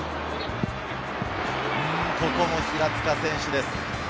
ここも平塚選手です。